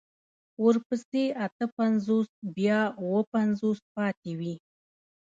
ورپسې اته پنځوس بيا اوه پنځوس پاتې وي.